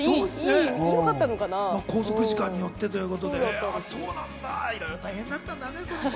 拘束時間によってということでいろいろ大変だったんだね。